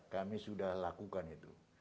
kami sudah lakukan itu